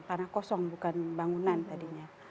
tanah kosong bukan bangunan tadinya